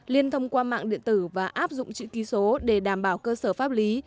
liên thông qua mạng điện tử và áp dụng chữ ký số để đảm bảo cơ sở pháp lý